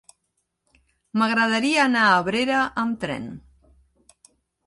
M'agradaria anar a Abrera amb tren.